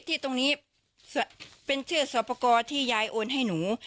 ที่ตรงนี้เป็นชื่อสอบประกอบที่ยายโอนให้หนู